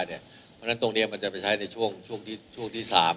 เพราะฉะนั้นตรงนี้มันจะไปใช้ในช่วงที่๓